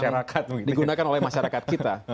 itu adalah hak yang digunakan oleh masyarakat kita